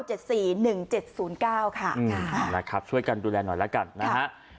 นะครับช่วยกันดูแลหน่อยแล้วกันนะฮะ